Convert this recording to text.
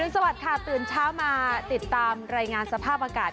สวัสดีค่ะตื่นเช้ามาติดตามรายงานสภาพอากาศ